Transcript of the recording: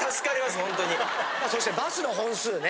そしてバスの本数ね。